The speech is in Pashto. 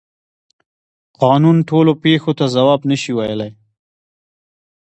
قانون ټولو پیښو ته ځواب نشي ویلی.